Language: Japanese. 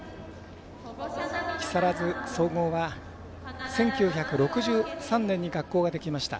木更津総合は１９６３年に学校ができました。